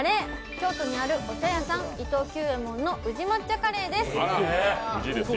京都にあるお茶屋さん伊藤久右衛門の宇治抹茶カレーです。